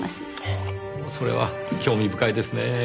ほうそれは興味深いですねぇ。